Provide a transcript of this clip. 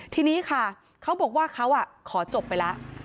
ทีนี้ค่ะเขาบอกว่าเขาขอจบไปแล้ว